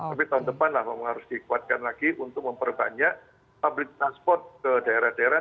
tapi tahun depan lah memang harus dikuatkan lagi untuk memperbanyak public transport ke daerah daerah